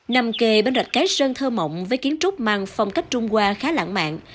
nằm kề bên rạch cái sơn thơ mộng với kiến trúc mang phong cách trung hoa khá lạng mạng